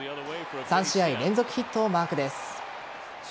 ３試合連続ヒットをマークです。